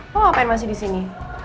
mau ngapain masih di sini